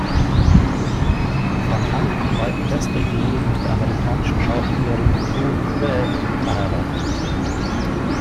Van Eyck war in erster Ehe mit der amerikanischen Schauspielerin Ruth Ford verheiratet.